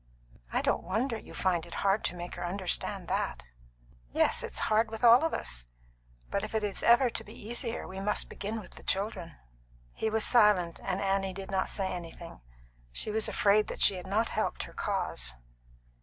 "I don't wonder you find it hard to make her understand that." "Yes, it's hard with all of us. But if it is ever to be easier we must begin with the children." He was silent, and Annie did not say anything. She was afraid that she had not helped her cause.